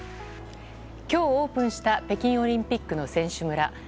今日オープンした北京オリンピックの選手村。